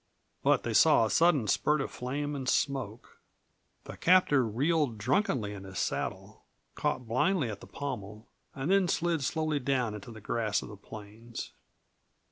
But they saw a sudden spurt of flame and smoke. The captor reeled drunkenly in his saddle, caught blindly at the pommel, and then slid slowly down into the grass of the plains.